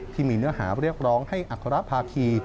เนื้อหาเรียกร้องให้อัครภาคี